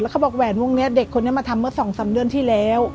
เขาบอกแหวนพวกนี้เด็กคนนี้มาทำเมื่อ๒๓เดือนที่แล้ว